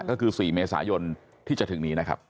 ก็คือ๔เมษายนที่จะถึงนี้นะครับ